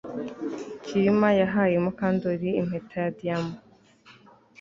Kirima yahaye Mukandoli impeta ya diyama